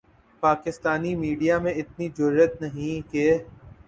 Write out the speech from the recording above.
Pakistani media میں اتنی جرآت نہیں کہ